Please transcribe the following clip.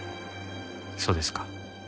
そうですか。